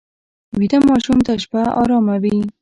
ویده ماشوم ته شپه ارامه وي